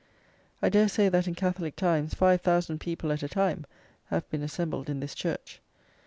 I dare say, that in Catholic times, five thousand people at a time have been assembled in this church.